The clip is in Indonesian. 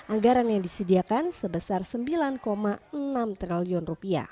anggaran yang disediakan sebesar rp sembilan enam triliun